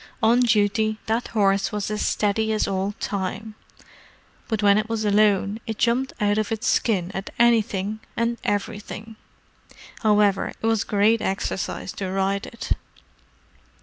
On duty, that horse was as steady as old Time: but when it was alone, it jumped out of its skin at anything and everything. However, it was great exercise to ride it!"